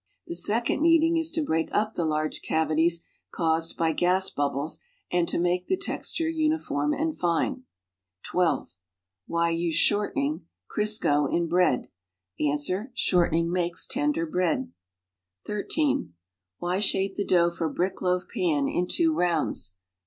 The second kneading is to break up the large cavities caused by gas bubbles, and to make the texture uniform and fine. (12) Why use .shortening (Criseo) in breaiK ' Ans. Shortening makes tender bread. (13) Why shape the dough for briek hjaf pan in two rounds?